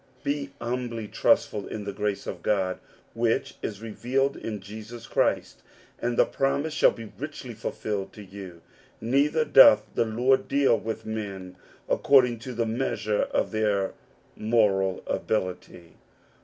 Be humbly trustful in the grace of God which is revealed in Jesus Christ, and the promise shall be richly fulfilled to you. Neither doth the Lord deal with men according to the measure of their moral ability.